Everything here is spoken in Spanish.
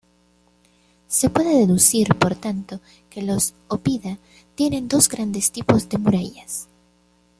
Se puede deducir, por tanto, que los "oppida" tienen dos grandes tipos de murallas.